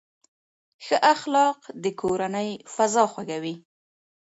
ښه اخلاق د کورنۍ فضا خوږوي.